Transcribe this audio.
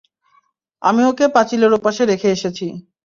আমি ওকে পাঁচিলের ওপাশে রেখে এসেছি।